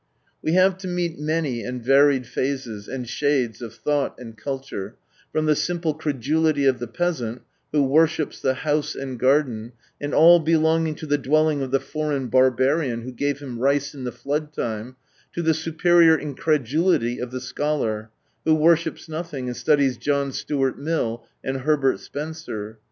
We have to meet many and varied phases, and shades, of thought, and culture, from the simple credulity of the peasant, who " worships " the house and garden, and all belonging to the dwelling of the "foreign barbarian" who gave him rice in the flood time, to the superior incredulity of the scholar, who worships nothing, and studies John Stuart Mill and Herbert Spencer.